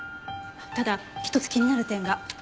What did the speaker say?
ただ一つ気になる点が。